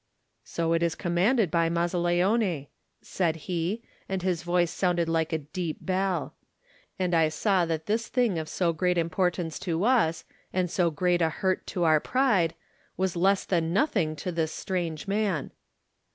"So it is commanded by Mazzaleone," said he, and his voice sounded like a deep bell. And I saw that this thing of so great importance to us, and so great a hurt to our pride, was less than nothing to this strange man.